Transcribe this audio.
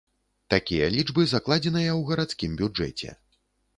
Такія лічбы закладзеныя ў гарадскім бюджэце.